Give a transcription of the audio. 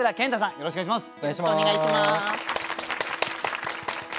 よろしくお願いします。